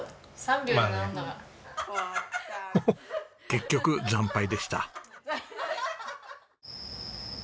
結局惨敗でした。